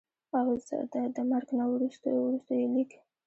او دَمرګ نه وروستو ئې ليک